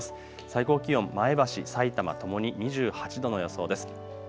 最高気温、前橋、さいたまともに２８度の予想です。